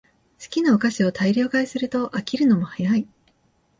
好きなお菓子を大量買いすると飽きるのも早い